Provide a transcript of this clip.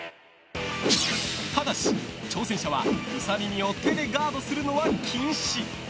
ただし、挑戦者はウサ耳を手でガードするのは禁止。